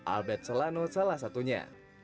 albert selano salah satunya